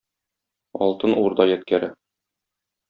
Алтын Урда ядкәре